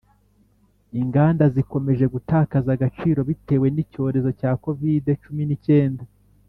Inganda zikomeje gutakaza agaciro bitewe n’icyorezo cya covid-cumi n’icyenda